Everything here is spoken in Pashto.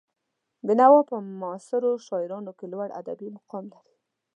بېنوا په معاصرو شاعرانو کې لوړ ادبي مقام لري.